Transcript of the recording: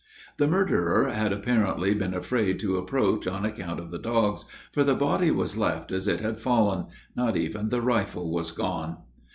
The murderer had apparently been afraid to approach on account of the dogs, for the body was left as it had fallen not even the rifle was gone.